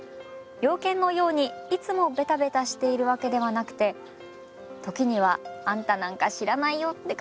洋犬のようにいつもベタベタしているわけではなくて時にはあんたなんか知らないよ！って